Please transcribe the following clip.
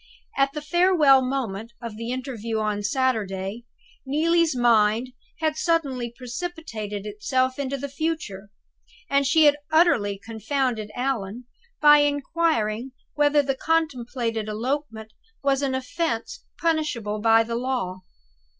At the farewell moment of the interview on Saturday, Neelie's mind had suddenly precipitated itself into the future; and she had utterly confounded Allan by inquiring whether the contemplated elopement was an offense punishable by the Law?